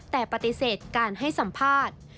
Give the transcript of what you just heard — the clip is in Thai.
แต่ปฏิเสธการให้สัมภาษณ์